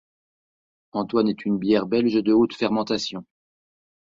Antoine est une bière belge de haute fermentation.